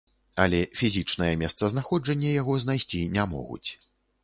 Але фізічнае месцазнаходжанне яго знайсці не могуць.